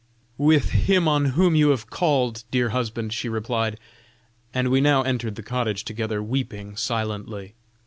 'With him on whom you have called, dear husband,' she replied; and we now entered the cottage together weeping silently.